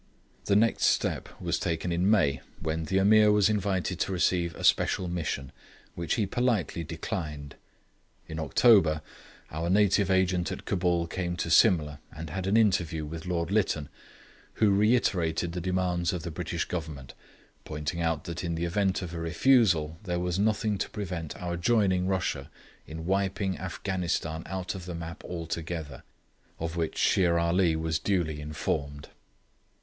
The next step was taken in May, when the Ameer was invited to receive a special Mission, which he politely declined. In October our native Agent at Cabul came to Simla and had an interview with Lord Lytton, who reiterated the demands of the British Government, pointing out that in the event of a refusal there was nothing to prevent our joining Russia in wiping Afghanistan out of the map altogether, of which Shere Ali was duly informed.